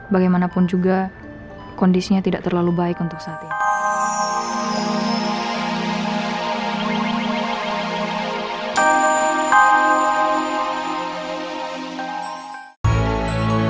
bagaimanapun juga kondisinya tidak terlalu baik untuk saat ini